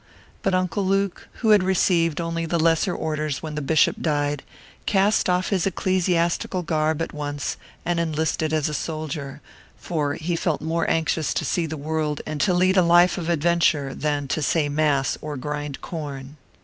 But Uncle Luke, who had received only the lesser orders when the bishop died, cast off his ecclesiastical garb at once and enlisted as a soldier; for he felt more anxious to see the world and to lead a life of adventure than to say mass or grind corn.